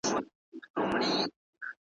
په کمزوري لښکر ګډه سوله ماته ,